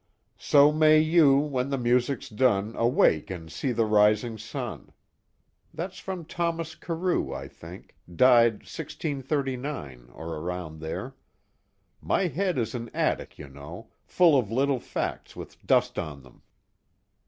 'So may you, when the music's done, awake and see the rising sun' that's from Thomas Carew, I think, died 1639 or around there. My head is an attic, you know, full of little facts with dust on them.